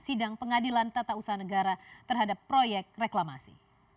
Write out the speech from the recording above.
sidang pengadilan tata usaha negara terhadap proyek reklamasi